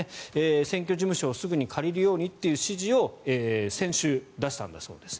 選挙事務所をすぐに借りるようにという指示を先週出したんだそうです。